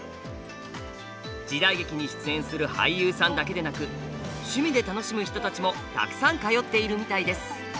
時代劇に出演する俳優さんだけでなく趣味で楽しむ人たちもたくさん通っているみたいです。